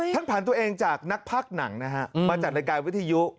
ท่านผ่านตัวเองจากนักภักดิ์หนังมาจัดรายการวิทยุ